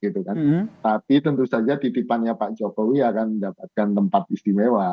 tapi tentu saja titipannya pak jokowi akan mendapatkan tempat istimewa